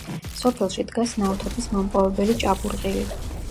სოფელში დგას ნავთობის მომპოვებელი ჭაბურღილი.